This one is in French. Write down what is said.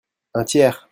Un tiers.